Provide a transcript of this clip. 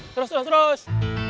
terus terus terus